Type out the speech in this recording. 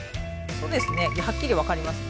そうですね。はっきり分かります。